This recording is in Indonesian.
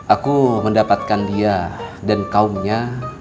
aku mendapatkan dia dan kaumnya